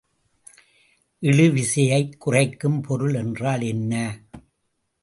இழுவிசையைக் குறைக்கும் பொருள் என்றால் என்ன?